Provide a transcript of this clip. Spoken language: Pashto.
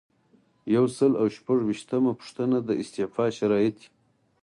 یو سل او شپږ ویشتمه پوښتنه د استعفا شرایط دي.